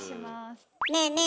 ねえねえ